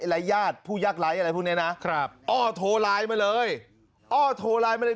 และญาติผู้ยากไร้อะไรพวกนี้นะครับอ้อโทรไลน์มาเลยอ้อโทรไลน์มาเลย